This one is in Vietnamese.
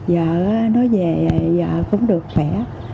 giờ nó về giờ cũng được khỏe